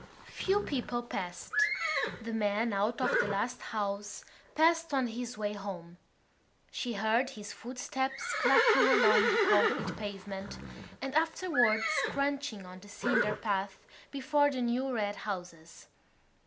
Few people passed. The man out of the last house passed on his way home; she heard his footsteps clacking along the concrete pavement and afterwards crunching on the cinder path before the new red houses.